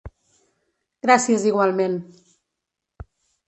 Gràcies igualment.